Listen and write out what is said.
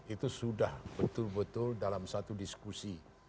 itu sudah betul betul dalam satu diskusi